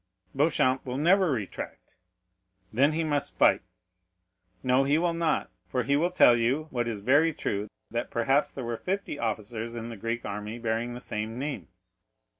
"Beauchamp will never retract." "Then we must fight." "No you will not, for he will tell you, what is very true, that perhaps there were fifty officers in the Greek army bearing the same name."